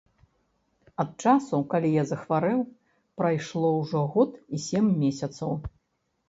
Ад часу, калі я захварэў, прайшло ўжо год і сем месяцаў.